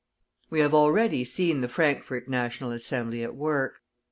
We have already seen the Frankfort National Assembly at work.